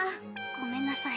ごめんなさい。